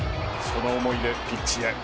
その思いでピッチへ。